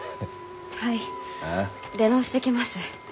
はい出直してきます。